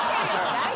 大丈夫。